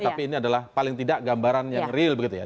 tapi ini adalah paling tidak gambaran yang real begitu ya